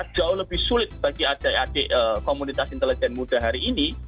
jauh lebih sulit bagi adik adik komunitas intelijen muda hari ini